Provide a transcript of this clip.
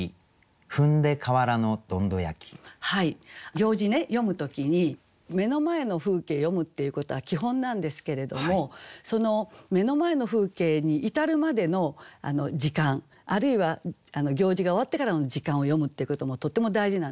行事ね詠む時に目の前の風景詠むっていうことは基本なんですけれどもその目の前の風景に至るまでの時間あるいは行事が終わってからの時間を詠むっていうこともとても大事なんですね。